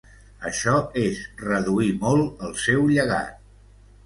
Això és reduir molt el seu llegat.